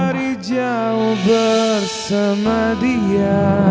hari jauh bersama dia